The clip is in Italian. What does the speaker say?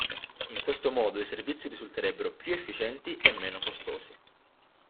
In questo modo i servizi risulterebbero più efficienti e meno costosi.